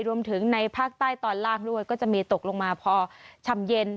ในภาคใต้ตอนล่างด้วยก็จะมีตกลงมาพอชำเย็น